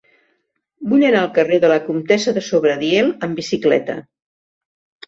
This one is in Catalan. Vull anar al carrer de la Comtessa de Sobradiel amb bicicleta.